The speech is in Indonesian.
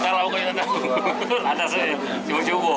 setelah aku ini datang ada sih si bude